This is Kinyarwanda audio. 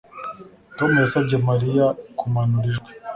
Tom yasabye Mariya kumanura ijwi